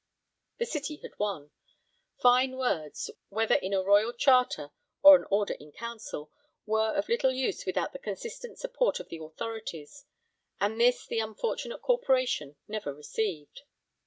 ' The City had won; fine words, whether in a Royal Charter or an Order in Council, were of little use without the consistent support of the authorities, and this the unfortunate Corporation never received.